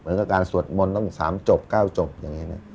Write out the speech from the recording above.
เหมือนกับการสวดมนต์ต้อง๓จบ๙จบอย่างนี้นะครับ